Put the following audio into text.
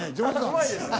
うまいですね。